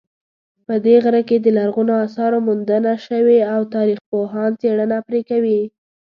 په دې غره کې د لرغونو آثارو موندنه شوې او تاریخپوهان څېړنه پرې کوي